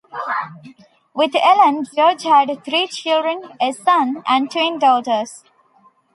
With Ellen, George had three children, a son and twin daughters.